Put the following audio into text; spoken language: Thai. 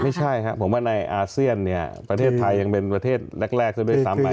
ไม่ใช่ครับผมว่าในอาเซียนเนี่ยประเทศไทยยังเป็นประเทศแรกซะด้วยซ้ำไป